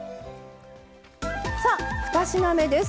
さあ２品目です。